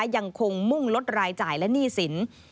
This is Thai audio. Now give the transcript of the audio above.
ยังคงมุ่งลดรายจ่ายและหนี้สิน